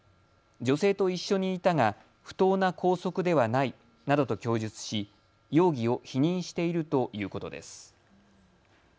女性と一緒にいたが不当な拘束ではないなどと供述し容疑を否認しているということです。